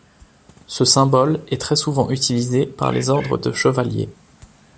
Ce symbole est très souvent utilisé par les ordres de chevaliers.